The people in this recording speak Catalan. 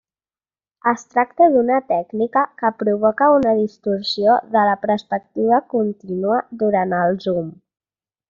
Es tracta d'una tècnica que provoca una distorsió de la perspectiva contínua durant el zoom.